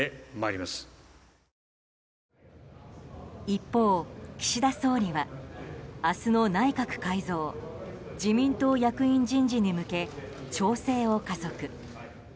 一方、岸田総理は明日の内閣改造自民党役員人事に向け調整を加速。